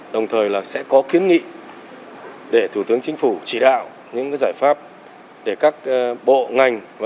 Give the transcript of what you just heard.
đồng thời là sẽ có kiến nghị để thủ tướng chính phủ chỉ đạo những giải pháp để các bộ ngành